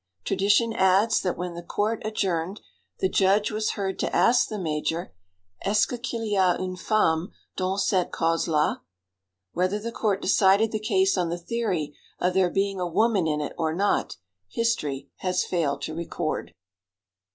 Tradition adds that when the court adjourned, the judge was heard to ask the major: "Est ce qu'il y a une femme dans cette cause la?" Whether the court decided the case on the theory of there being a woman in it or not, history has failed to record.